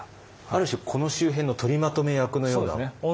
ある種この周辺の取りまとめ役のような。